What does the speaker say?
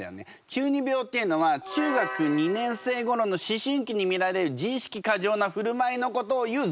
中二病っていうのは中学二年生ごろの思春期に見られる自意識過剰なふるまいのことをいう造語。